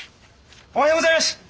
おはようございます！